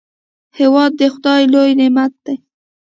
هېواد د خداي لوی نعمت دی.